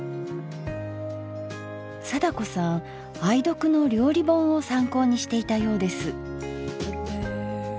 貞子さん愛読の料理本を参考にしていたようです。